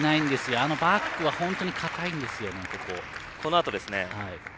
あのバックは本当に堅いんですよ。